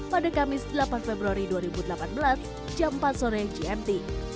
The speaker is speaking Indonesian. pada kamis delapan februari dua ribu delapan belas jam empat sore gmt